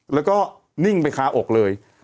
แล้วก็นิ่งไปคาอกเลย